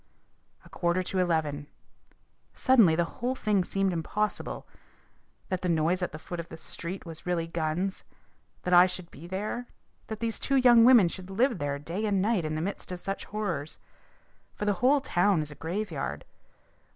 A quarter to eleven! Suddenly the whole thing seemed impossible that the noise at the foot of the street was really guns; that I should be there; that these two young women should live there day and night in the midst of such horrors. For the whole town is a graveyard.